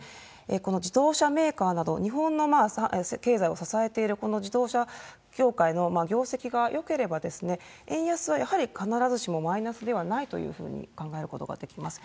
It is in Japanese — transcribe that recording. この自動車メーカーなど、日本の経済を支えているこの自動車業界の業績がよければ、円安はやはり必ずしもマイナスではないというふうに考えることができます。